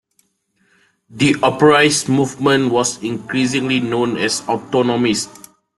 The "operaist" movement was increasingly known as autonomist.